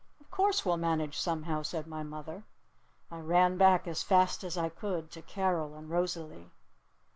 "Of course we'll manage somehow," said my mother. I ran back as fast as I could to Carol and Rosalee.